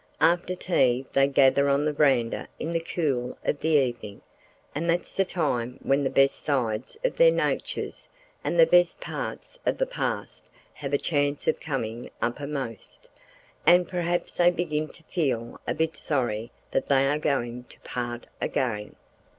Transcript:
After tea they gather on the veranda in the cool of the evening, and that's the time when the best sides of their natures and the best parts of the past have a chance of coming uppermost, and perhaps they begin to feel a bit sorry that they are going to part again.